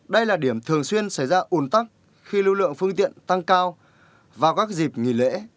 đây là điểm thường xuyên xảy ra ủn tắc khi lưu lượng phương tiện tăng cao vào các dịp nghỉ lễ